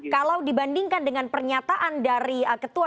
kalau dibandingkan dengan pernyataan dari ketua